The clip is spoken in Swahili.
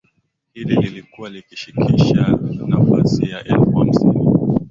hili lilikuwa likishika nafasi ya elfu hamsini